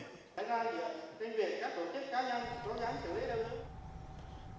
các tổ chức cá nhân cố gắng chủ yếu đơn